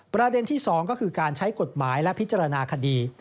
ประเด็นที่๒ก็คือการใช้กฎหมายและพิจารณาคดี